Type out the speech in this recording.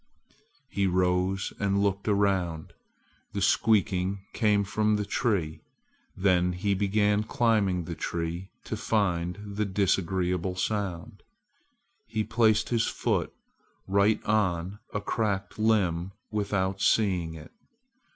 He rose and looked around. The squeaking came from the tree. Then he began climbing the tree to find the disagreeable sound. He placed his foot right on a cracked limb without seeing it.